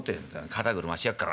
肩車してやっから。